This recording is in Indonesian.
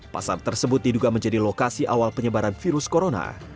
pasar tersebut diduga menjadi lokasi awal penyebaran virus corona